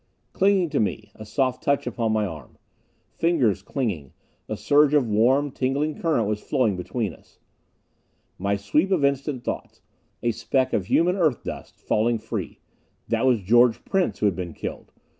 Clinging to me. A soft touch upon my arm. Fingers, clinging. A surge of warm, tingling current was flowing between us. My sweep of instant thoughts. A speck of human Earth dust, falling free. That was George Prince, who had been killed.